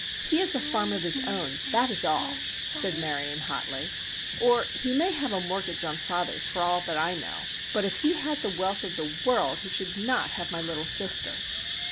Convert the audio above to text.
"He has a farm of his own, that is all," said Marion, hotly; "or he may have a mortgage on father's, for all I know, but if he had the wealth of the world he should not have my little sister!"